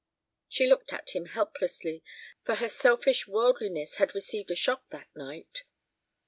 She looked at him helplessly, for her selfish worldliness had received a shock that night.